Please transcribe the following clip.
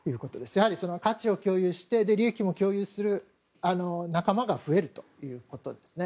やはり価値を共有して利益も共有する仲間が増えるということですね。